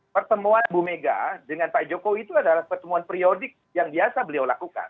pertemuan ibu mega dengan pak jokowi itu adalah pertemuan periodik yang biasa beliau lakukan